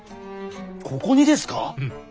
ここにですか！？